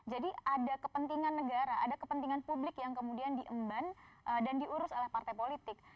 jadi ada kepentingan negara ada kepentingan publik yang kemudian diemban dan diurus oleh partai politik